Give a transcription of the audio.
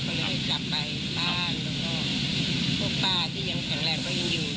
ก็เลยกลับไปป้าแล้วก็พวกป้าที่ยังแข็งแรงก็ยังอยู่